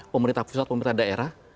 pemerintah pusat pemerintah daerah